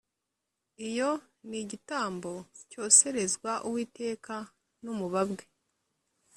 Iyo ni igitambo cyoserezwa uwiteka ni umubabwe